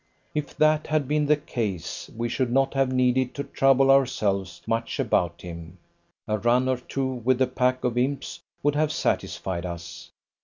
If that had been the case, we should not have needed to trouble ourselves much about him. A run or two with the pack of imps would have satisfied us.